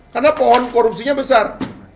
karena pohon korupsinya besar